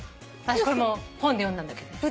これも本で読んだんだけどね。